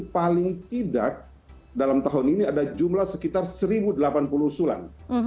paling tidak dalam tahun ini ada jumlah sekitar satu delapan puluh usulan